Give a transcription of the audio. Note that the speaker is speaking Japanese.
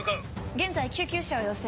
現在救急車を要請。